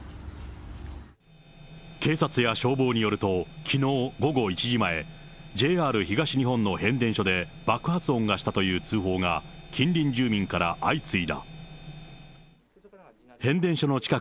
警察や消防によると、きのう午後１時前、ＪＲ東日本の変電所で爆発音がしたという通報が、近隣住民から相次いだ。